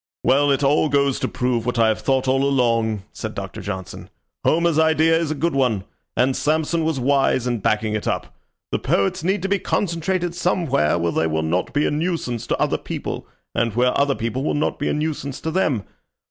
"Well, it all goes to prove what I have thought all along," said Doctor Johnson. "Homer's idea is a good one, and Samson was wise in backing it up. The poets need to be concentrated somewhere where they will not be a nuisance to other people, and where other people will not be a nuisance to them.